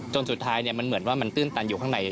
จนสุดท้ายมันเหมือนว่ามันตื้นตันอยู่ข้างใน